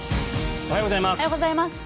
おはようございます。